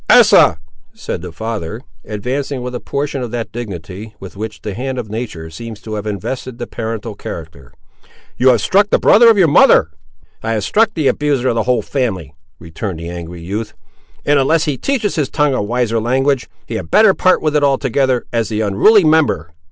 "Asa," said the father, advancing with a portion of that dignity with which the hand of Nature seems to have invested the parental character, "you have struck the brother of your mother!" "I have struck the abuser of the whole family," returned the angry youth; "and, unless he teaches his tongue a wiser language, he had better part with it altogether, as the unruly member.